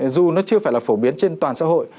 dù nó chưa phải là phổ biến trên toàn xã hội